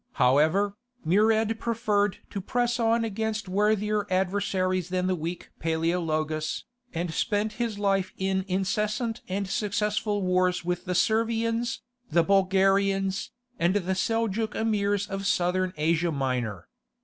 However, Murad preferred to press on against worthier adversaries than the weak Paleologus, and spent his life in incessant and successful wars with the Servians, the Bulgarians, and the Seljouk Emirs of Southern Asia Minor.